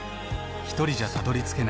ひとりじゃたどりつけない未来がある。